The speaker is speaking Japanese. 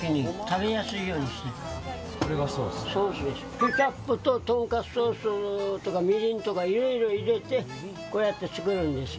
ケチャップととんかつソースとかみりんとかいろいろ入れてこうやって作るんですよ。